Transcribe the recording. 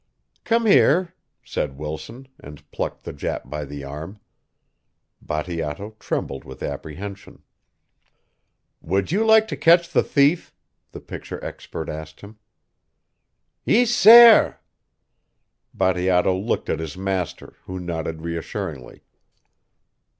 "Come here," said Wilson, and plucked the Jap by the arm. Bateato trembled with apprehension. "Would you like to catch the thief?" the picture expert asked him. "Ees, sair." Bateato looked at his master, who nodded reassuringly.